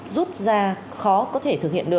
rút ra khó có thể